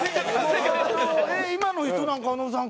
「今の人なんかノブさん